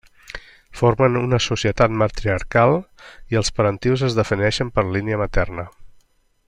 Formen una societat matriarcal i els parentius es defineixen per línia materna.